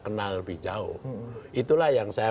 kenal lebih jauh itulah yang saya